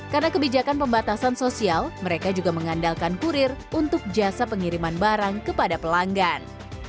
karena kebijakan pembatasan sosial mereka juga mengandalkan kurir untuk jasa pengiriman barang kepada pelanggan